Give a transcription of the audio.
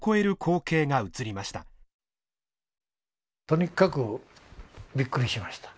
とにかくびっくりしました。